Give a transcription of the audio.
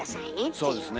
そうですね。